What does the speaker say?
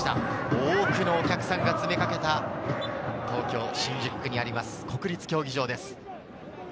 多くのお客さんが詰めかけた東京・新宿区にあります、国立競技場です。